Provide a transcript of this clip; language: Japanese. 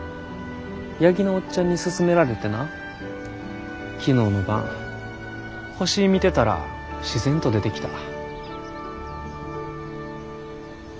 八木のおっちゃんに勧められてな昨日の晩星見てたら自然と出てきた。